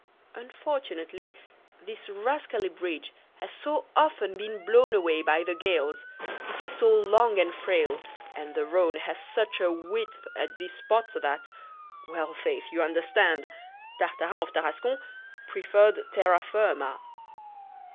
Unfortunately, this rascally bridge has so often been blown away by the gales, it is so long and frail, and the Rhone has such a width at this spot that well, faith! you understand! Tartarin of Tarascon preferred terra firma.